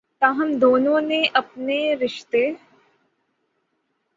تاہم دونوں نے اپنے رشتے